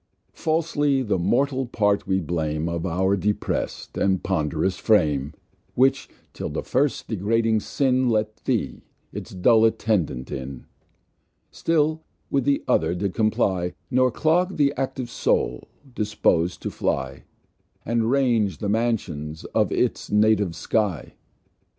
Falsly, the Mortal Part we blame Of our deprest, and pond'rous Frame, Which, till the First degrading Sin Let Thee, its dull Attendant, in, Still with the Other did comply, Nor clogg'd the Active Soul, dispos'd to fly, And range the Mansions of it's native Sky.